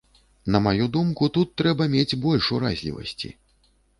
На маю думку, тут трэба мець больш уразлівасці.